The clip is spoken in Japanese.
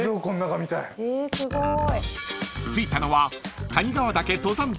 ［着いたのは］